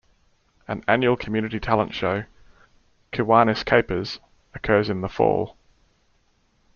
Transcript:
An annual community talent show, Kiwanis Kapers, occurs in the fall.